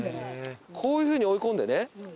こういうふうに追い込んでね。